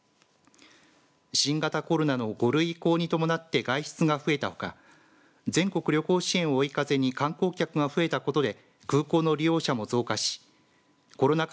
新型コロナの５類移行に伴って外出が増えたほか全国旅行支援を追い風に観光客が増えたことで空港の利用者も増加しコロナ禍